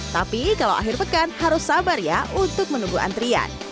tapi kalau akhir pekan harus sabar ya untuk menunggu antrian